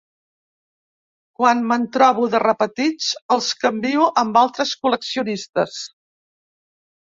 Quan me'n trobo de repetits, els canvio amb altres col·leccionistes.